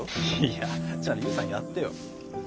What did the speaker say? いやじゃあ悠さんやってよ。